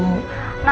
namun bu andin ya